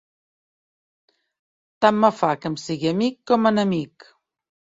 Tant me fa que em sigui amic com enemic!